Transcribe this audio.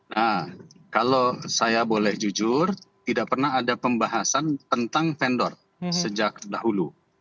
nah kalau saya boleh jujur tidak pernah ada pembahasan tentang vendor sejak dahulu